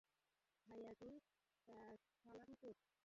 ভাইয়াজি, Salanpur.